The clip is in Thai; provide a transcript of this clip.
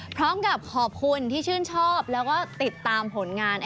พร้อมกับขอบคุณที่ชื่นชอบแล้วก็ติดตามผลงาน